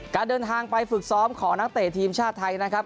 การเดินทางไปฝึกซ้อมของนักเตะทีมชาติไทยนะครับ